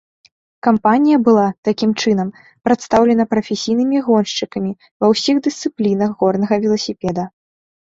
Кампанія была, такім чынам, прадстаўлена прафесійнымі гоншчыкамі ва ўсіх дысцыплінах горнага веласіпеда.